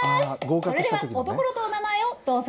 それでは、お所とお名前をどうぞ。